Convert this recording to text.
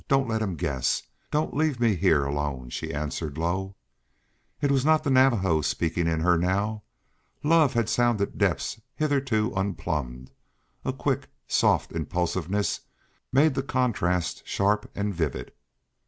Don't let him guess. Don't leave me here alone," she answered low. It was not the Navajo speaking in her now. Love had sounded depths hitherto unplumbed; a quick, soft impulsiveness made the contrast sharp and vivid.